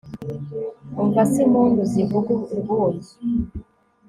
umva se impundu zivuga urwunge